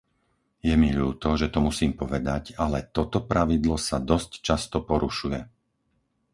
Je mi ľúto, že to musím povedať, ale toto pravidlo sa dosť často porušuje.